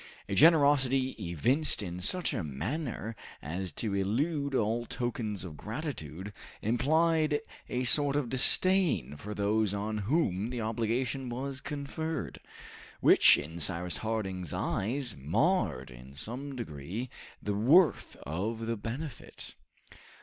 A generosity evinced in such a manner as to elude all tokens of gratitude, implied a sort of disdain for those on whom the obligation was conferred, which in Cyrus Harding's eyes marred, in some degree, the worth of the benefit.